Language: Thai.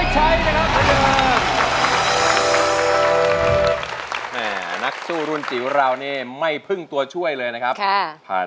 ใช่ใช่ไม่ใช่